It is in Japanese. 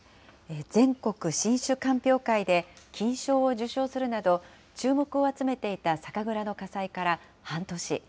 全国新酒鑑評会で金賞を受賞するなど、注目を集めていた酒蔵の火災から半年。